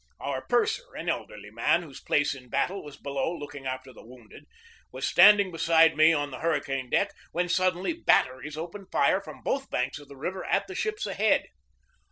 Our purser, an elderly man whose place in battle was below looking after the wounded, was standing beside me on the hurricane deck, when suddenly batteries opened fire from both banks of the river at the ships ahead.